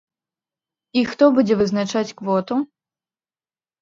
І хто будзе вызначаць квоту?